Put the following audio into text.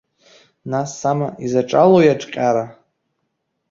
Наҟ сама изаҿалои аҿҟьара?